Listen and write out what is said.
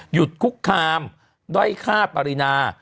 หยุดคุกคามด้อยค่าปริณา